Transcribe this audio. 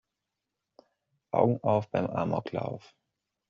Augen auf beim Amoklauf!